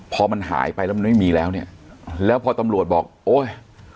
พอมันหายไปแล้วมันไม่มีแล้วเนี่ยแล้วพอตำรวจบอกโอ๊ย